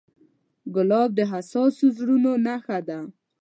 ګلاب د حساسو زړونو نښه ده.